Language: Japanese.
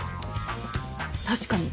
確かに。